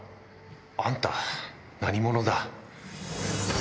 あんた何者だ？